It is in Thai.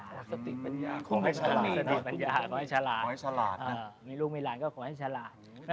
ขอให้ฉลาดค่ะอยากทิ้งไปถึงไปผู้ซึ่งกลัวตมีลูกมีหลานขอให้ฉลาด